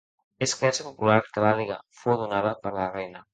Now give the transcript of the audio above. És creença popular que l'àliga fou donada par la reina.